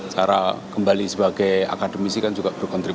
cara kembali sebagai akademisi kan juga berkontribusi